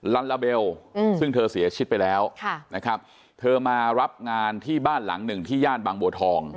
ลาลาเบลซึ่งเธอเสียชีวิตไปแล้วนะครับเธอมารับงานที่บ้านหลังหนึ่งที่ย่านบางบัวทอง